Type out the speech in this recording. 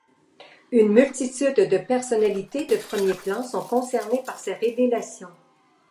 Une multitude de personnalités de premier plan sont concernées par ces révélations.